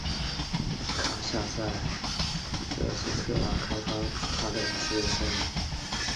卡夏在俄斯特拉发开始他的职业生涯。